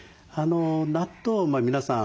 納豆皆さん